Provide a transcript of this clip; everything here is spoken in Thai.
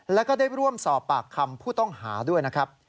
แล้วก็ได้ร่วมสอบปากคำผู้ต้องหาด้วยนะครับ